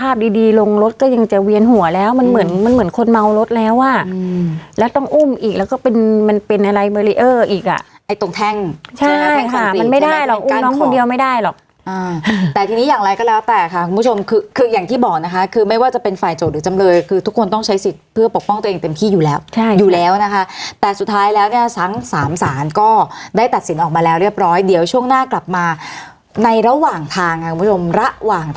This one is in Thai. ไม่ได้หรอกอ่าแต่ทีนี้อย่างไรก็แล้วแต่ค่ะคุณผู้ชมคือคืออย่างที่บอกนะคะคือไม่ว่าจะเป็นฝ่ายโจทย์หรือจำเลยคือทุกคนต้องใช้สิทธิ์เพื่อปกป้องตัวเองเต็มที่อยู่แล้วใช่อยู่แล้วนะคะแต่สุดท้ายแล้วเนี้ยทั้งสามศาลก็ได้ตัดสินออกมาแล้วเรียบร้อยเดี๋ยวช่วงหน้ากลับมาในระหว่างทางอ่ะคุณผู้ชมระห